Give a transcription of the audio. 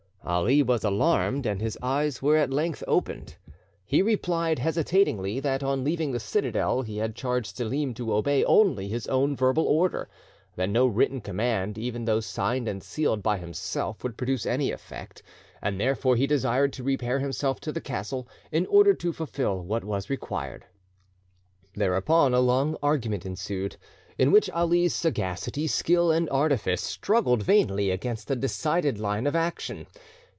Ali was alarmed, and his eyes were at length opened. He replied hesitatingly, that on leaving the citadel he had charged Selim to obey only his own verbal order, that no written command, even though signed and sealed by himself, would produce any effect, and therefore he desired to repair himself to the castle, in order to fulfil what was required. Thereupon a long argument ensued, in which Ali's sagacity, skill, and artifice struggled vainly against a decided line of action.